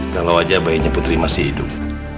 kalau aja bayinya putri masih hidup